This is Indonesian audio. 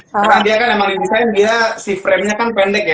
karena dia kan memang di desain dia si frame nya kan pendek ya